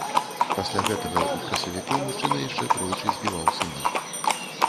Пасля гэтага ў красавіку мужчына яшчэ тройчы збіваў сына.